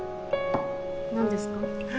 何ですか？